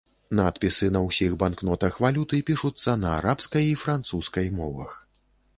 Надпісы на ўсіх банкнотах валюты пішуцца на арабскай і французскай мовах.